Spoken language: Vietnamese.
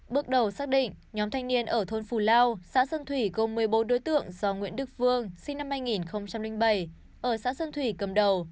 bước đầu xác định nhóm thanh niên ở thôn phù lao xã sơn thủy gồm một mươi bốn đối tượng do nguyễn đức vương sinh năm hai nghìn bảy ở xã sơn thủy cầm đầu